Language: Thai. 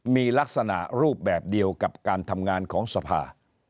มีลักษณะรูปแบบเดียวกับการทำงานของสภา